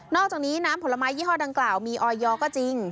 อกจากนี้น้ำผลไม้ยี่ห้อดังกล่าวมีออยอร์ก็จริง